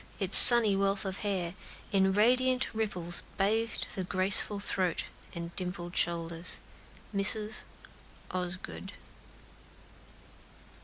its sunny wealth of hair, In radiant ripples bathed the graceful throat And dimpled shoulders." MRS. OSGOOD.